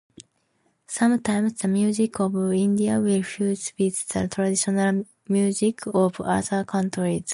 Sometimes, the music of India will fuse with the traditional music of other countries.